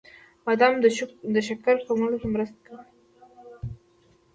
• بادام د شکر کمولو کې مرسته کوي.